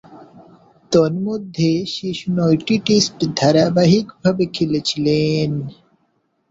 তন্মধ্যে, শেষ নয়টি টেস্ট ধারাবাহিকভাবে খেলেছিলেন।